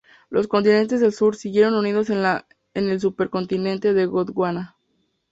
Los continentes del sur siguieron unidos en el supercontinente de Gondwana.